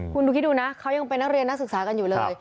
คุณดูคิดดูนะเขายังเป็นนักเรียนนักศึกษากันอยู่เลย